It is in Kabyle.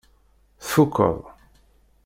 Tfukkeḍ?